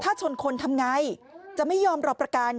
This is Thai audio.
ถ้าชนคนทำไงจะไม่ยอมรอประกัน